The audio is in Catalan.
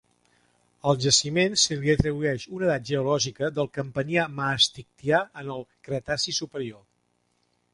Al jaciment se li atribueix una edat geològica del Campanià-Maastrichtià, en el Cretaci superior.